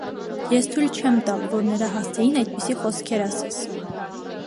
ես թույլ չեմ տալ, որ նրա հասցեին այդպիսի խոսքեր ասես: